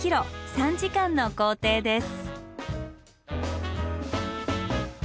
３時間の行程です。